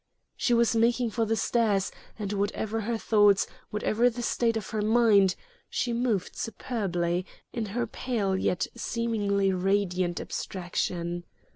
She was making for the stairs, and whatever her thoughts, whatever the state of her mind, she moved superbly, in her pale, yet seemingly radiant abstraction.